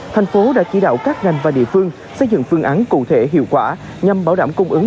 thành phố đã chỉ đạo các ngành và địa phương xây dựng phương án cụ thể hiệu quả nhằm bảo đảm cung ứng